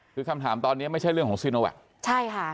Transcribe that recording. คือคำถามตอนนี้ไม่ใช่เรื่องของซีโนแวคใช่ค่ะ